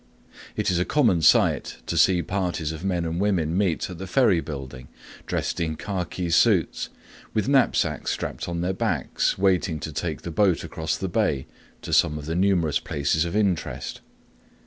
It is a common sight to see parties of men and women meet at the ferry building, dressed in khaki suits, with knapsacks strapped on their backs, waiting to take the boat across the bay to some of the numerous places of interest.